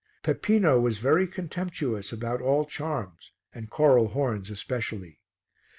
Peppino was very contemptuous about all charms and coral horns especially.